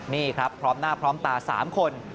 นี่ครับพร้อมหน้าพร้อมตา๓คน